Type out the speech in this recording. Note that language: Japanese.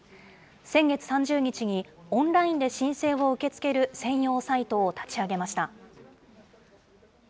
先月３０日に、オンラインで申請を受け付ける専用サイトを立ち上げました。